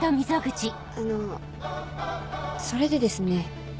あのそれでですね